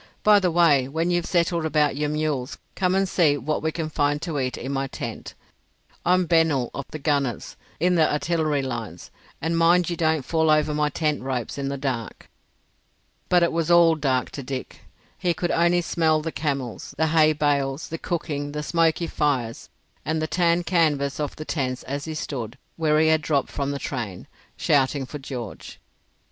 By the way, when you've settled about your mules, come and see what we can find to eat in my tent. I'm Bennil of the Gunners—in the artillery lines—and mind you don't fall over my tent ropes in the dark." But it was all dark to Dick. He could only smell the camels, the hay bales, the cooking, the smoky fires, and the tanned canvas of the tents as he stood, where he had dropped from the train, shouting for George.